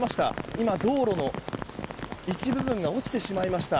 今、道路の一部分が落ちてしまいました。